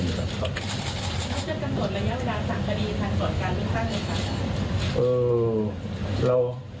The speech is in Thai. ต้องให้เลื่อนไปตามระเบียบของเรา